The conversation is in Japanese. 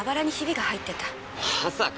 まさか。